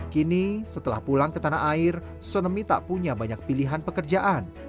kini setelah pulang ke tanah air sonemi tak punya banyak pilihan pekerjaan